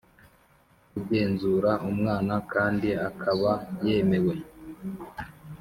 ugenzura umwana kandi akaba yemewe